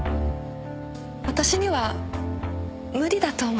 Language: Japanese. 私には無理だと思います。